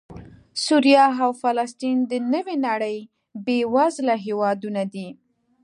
سوریه او فلسطین د نوې نړۍ بېوزله هېوادونه دي